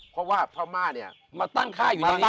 เพราะว่าพม่าเนี่ยมาตั้งค่าอยู่ตรงนี้